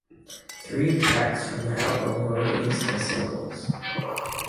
Three tracks from the album were released as singles.